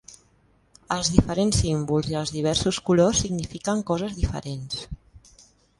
Els diferents símbols i els diversos colors signifiquen coses diferents.